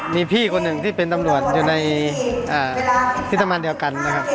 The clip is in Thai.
มีพี่คนหนึ่งที่เป็นตำรวจอยู่ในที่ทำงานเดียวกันนะครับ